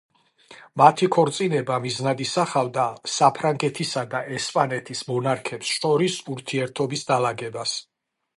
მათი ქორწინება მიზნად ისახავდა საფრანგეთისა და ესპანეთის მონარქებს შორის ურთიერთობის დალაგებას.